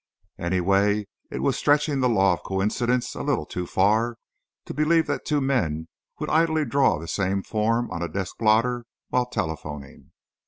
Anyway it was stretching the law of coincidence a little too far to believe that two men would idly draw the same form on a desk blotter while telephoning.